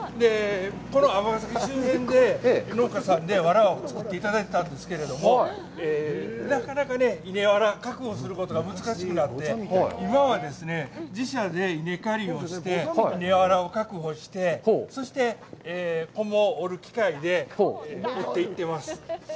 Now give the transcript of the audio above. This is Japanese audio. この尼崎周辺で農家さんでわらを作っていただいていたんですけれども、なかなか稲わらを確保することが難しくなって、今はですね、自社で稲刈りをして、稲わらを確保して、そして菰を織る機械で織っていってます。